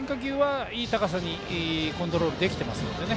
ですから変化球はいい高さにコントロールできていますので。